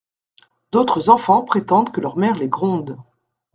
D'autres enfants prétendent que leur mère les gronde.